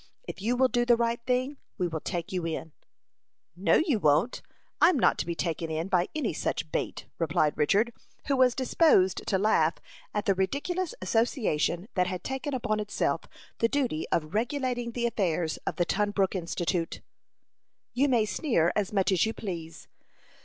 If you will do the right thing, we will take you in." "No you won't. I'm not to be taken in by any such bait," replied Richard, who was disposed to laugh at the ridiculous association that had taken upon itself the duty of regulating the affairs of the Tunbrook Institute. "You may sneer as much as you please.